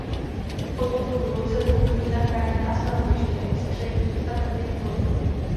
Odrůdu lze použít na chráněná stanoviště středních a teplých poloh.